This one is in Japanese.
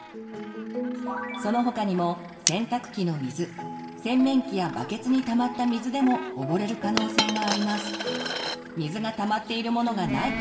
その他にも洗濯機の水洗面器やバケツに溜まった水でも溺れる可能性があります。